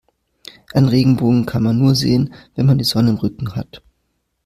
Einen Regenbogen kann man nur sehen, wenn man die Sonne im Rücken hat.